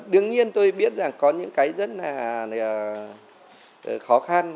đương nhiên tôi biết rằng có những cái rất là khó khăn